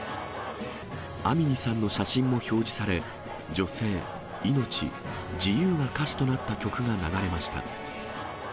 アミニさんの写真も表示され、女性、命、自由が歌詞となった曲が流れました。